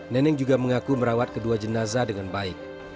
neneng juga mengaku merawat kedua jenazah dengan baik